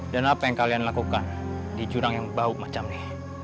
dan apa yang kalian lakukan di jurang yang bau macam ini